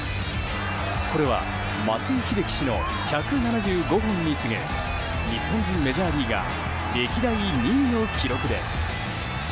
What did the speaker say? これは松井秀喜氏の１７５本に次ぐ日本人メジャーリーガー歴代２位の記録です。